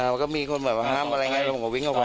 อ้าวก็มีคนมาห้ามอะไรไงเราก็วิ่งเข้าไป